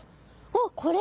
おっこれ？